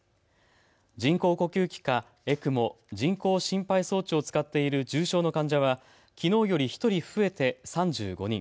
人工呼吸器かＥＣＭＯ・人工心肺装置を使っている重症の患者はきのうより１人増えて３５人。